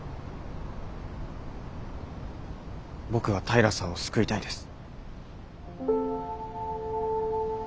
僕は平さんを救いたいです。